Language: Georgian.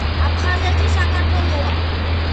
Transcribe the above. აფხაზეთი საქართველოა!